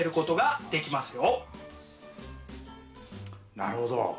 なるほど。